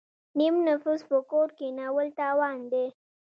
نیم نفوس په کور کینول تاوان دی.